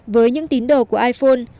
với những tín đồ của iphone